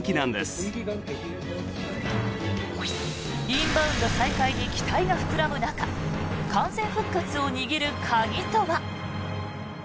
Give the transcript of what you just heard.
インバウンド再開に期待が膨らむ中完全復活を握る鍵とは。